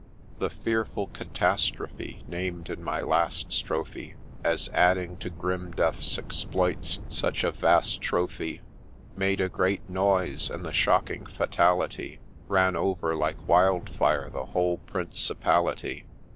The fearful catastrophe Named in my last strophe As adding to grim Death's exploits such a vast trophy, Made a great noise ; and the shocking fatality, Ran over, like wild fire, the whole Principality.